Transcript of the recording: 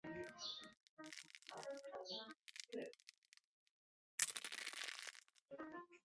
男单决赛的特邀颁奖嘉宾是牙买加短跑巨星博尔特。